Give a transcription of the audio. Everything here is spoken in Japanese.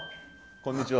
こんにちは。